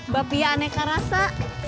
bapak pi aneka rasa